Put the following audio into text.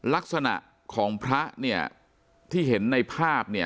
ลักษณะของพระที่เห็นในภาพ